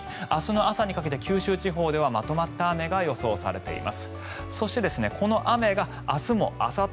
明日の朝にかけては九州地方にまとまった雨が予想されています。